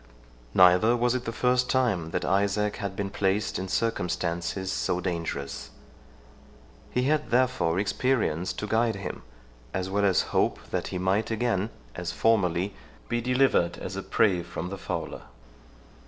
Neither was it the first time that Isaac had been placed in circumstances so dangerous. He had therefore experience to guide him, as well as hope, that he might again, as formerly, be delivered as a prey from the fowler.